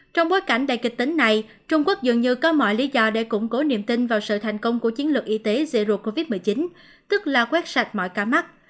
trong bối cảnh đài kịch tính này trung quốc dường như có mọi lý do để củng cố niềm tin vào sự thành công của chiến lược y tế zero covid một mươi chín tức là quét sạch mọi ca mắc